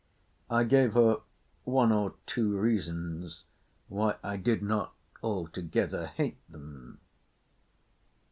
I gave her one or two reasons why I did not altogether hate them.